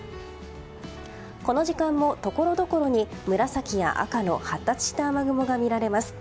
この時間もところどころに紫や赤の発達した雨雲が見られます。